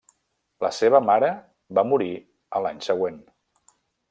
La seva mare va morir a l'any següent.